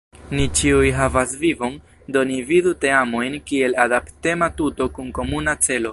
Ni ĉiuj havas vivon, do ni vidu teamojn kiel adaptema tuto kun komuna celo.